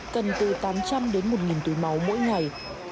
cần từ tám trăm linh đến một túi máu mỗi ngày